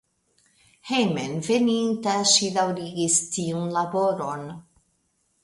Hejmenveninta ŝi daŭrigis tiun laboron.